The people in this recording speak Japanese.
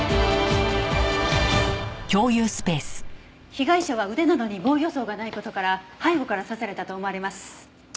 被害者は腕などに防御創がない事から背後から刺されたと思われます。